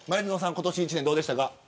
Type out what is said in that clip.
今年一年どうでしたか。